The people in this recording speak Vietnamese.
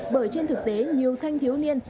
bởi trên thực tế nhiều thanh thiếu niên